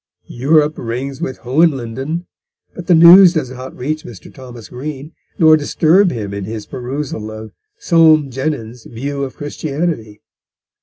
Europe rings with Hohenlinden, but the news does not reach Mr. Thomas Green, nor disturb him in his perusal of Soame Jenyns' View of Christianity.